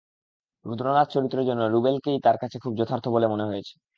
রুদ্রনাথ চরিত্রের জন্য রুবেলকেই তাঁর কাছে খুব যথার্থ বলে মনে হয়েছে।